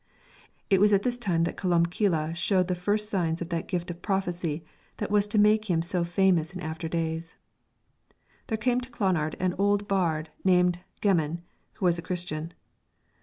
It was at this time that Columbcille showed the first signs of that gift of prophecy that was to make him so famous in after days. There came to Clonard an old bard called Gemman, who was a Christian.